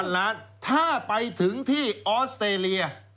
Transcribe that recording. ล้านถ้าไปถึงที่ออสเตรเลีย